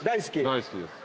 大好きです。